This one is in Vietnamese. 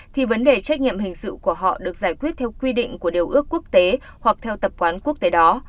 thì vấn đề trách nhiệm hình sự của họ được giải quyết theo quy định của điều ước quốc tế hoặc theo tập quán quốc tế đó